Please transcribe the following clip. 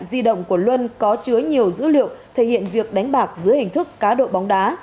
di động của luân có chứa nhiều dữ liệu thể hiện việc đánh bạc dưới hình thức cá độ bóng đá